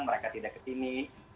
mereka tidak ke sini